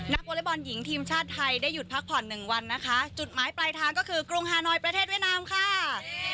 นักวอเล็กบอลหญิงทีมชาติไทย